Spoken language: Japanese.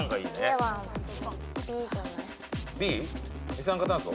二酸化炭素？